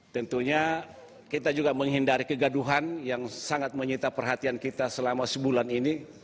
tentunya kita juga menghindari kegaduhan yang sangat menyita perhatian kita selama sebulan ini